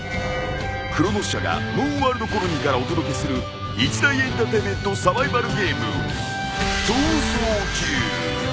クロノス社がムーンワールドコロニーからお届けする一大エンターテインメントサバイバルゲーム逃走中。